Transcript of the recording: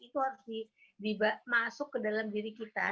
itu harus dimasuk ke dalam diri kita